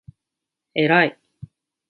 えらい